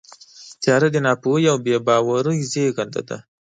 تیاره د ناپوهۍ او بېباورۍ زېږنده ده.